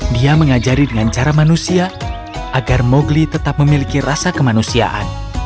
dia mengajari dengan cara manusia agar mowgli tetap memiliki rasa kemanusiaan